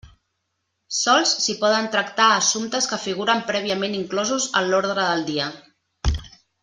Sols s'hi poden tractar assumptes que figuren prèviament inclosos en l'ordre del dia.